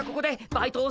バイト？